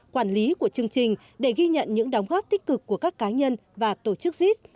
quản lý của chương trình để ghi nhận những đóng góp tích cực của các cá nhân và tổ chức zis